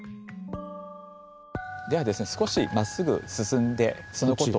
ではですね少しまっすぐ進んでそのことを。